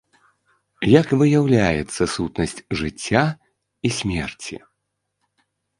Як выяўляецца сутнасць жыцця і смерці?